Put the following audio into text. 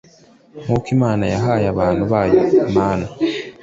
Nkuko Imana yahaye abantu bayo manu